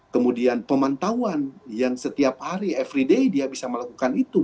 kemudian pemantauan yang setiap hari everyday dia bisa melakukan itu